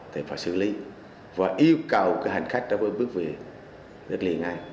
thì phải xử lý và yêu cầu hành khách bước về đất liền ngay